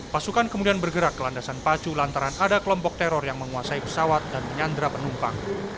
pasukan kemudian bergerak ke landasan pacu lantaran ada kelompok teror yang menguasai pesawat dan menyandra penumpang